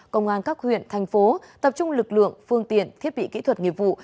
công an các huyện thành phố tập trung lực lượng phương tiện thiết bị kỹ thuật nghiệp vụ